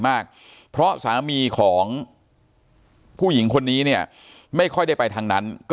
มากเพราะสามีของผู้หญิงคนนี้เนี่ยไม่ค่อยได้ไปทางนั้นก็